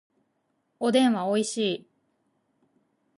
おでんはおいしい